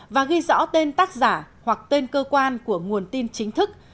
và ghi rõ tên tác giả hoặc tên cơ quan của nguồn tin chính thức